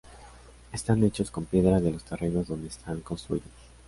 Están hechos con piedra de los terrenos donde están construidos.